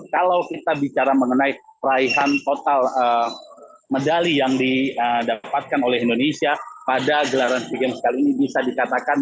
kalau kita bicara mengenai raihan total medali yang didapatkan oleh indonesia pada gelaran sea games kali ini bisa dikatakan